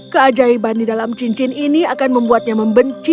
keajaiban di dalam cincin ini akan membuatnya membenci